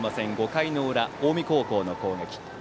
５回の裏、近江高校の攻撃。